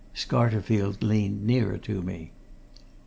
Scarterfield leaned nearer to me.